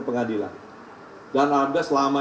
pengadilan dan anda selama